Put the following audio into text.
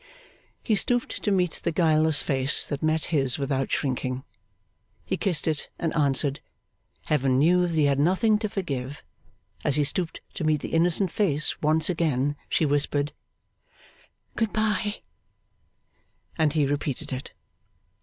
He stooped to meet the guileless face that met his without shrinking. He kissed it, and answered, Heaven knew that he had nothing to forgive. As he stooped to meet the innocent face once again, she whispered, 'Good bye!' and he repeated it.